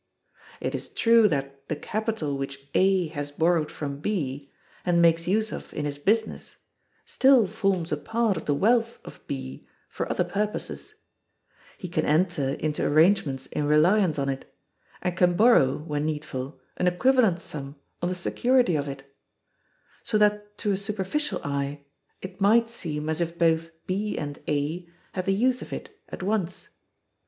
It is true that the capital which A has borrowed from B, and makes use of in his business, still forms a part of the wealth of B for other purposes; he can enter into arrangements in reliance on it, and can borrow, when needful, an equivalent sum on the security of it; so that to a superficial eye it might seem as if both B and A had the use of it at once.